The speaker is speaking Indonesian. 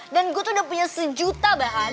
dan gue tuh udah punya sejuta bahan